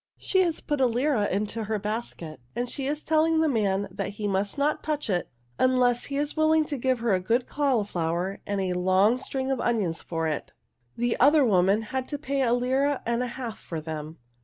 She has put a lira into her basket and she is telling the man that he must not touch it unless he is willing to give her a good cauliflower and a long string of onions for it. The other woman had to pay a lira and a half for them.